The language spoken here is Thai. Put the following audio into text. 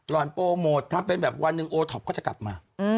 อนโปรโมททำเป็นแบบวันหนึ่งโอท็อปก็จะกลับมา